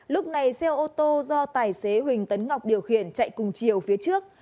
lúc này xe ô tô do tài xế huỳnh tấn ngọc điều khiển chạy cùng chiều phía trước